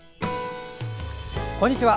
こんにちは。